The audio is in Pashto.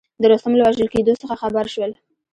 د رستم له وژل کېدلو څخه خبر شول.